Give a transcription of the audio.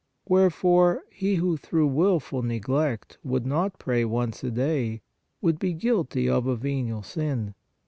Wherefore, he who through wilful neglect, would not pray once a day, would be guilty of a venial sin.